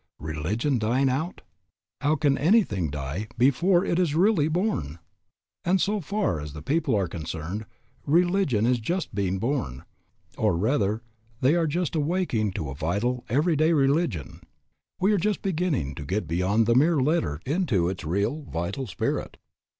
Religion dying out? How can anything die before it is really born? And so far as the people are concerned, religion is just being born, or rather they are just awaking to a vital, every day religion. We are just beginning to get beyond the mere letter into its real, vital spirit.